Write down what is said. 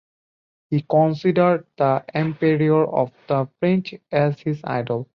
He considered the Emperor of the French as his idol.